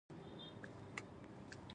د راډیو خپرونې لا هم د زړو خلکو خوښې دي.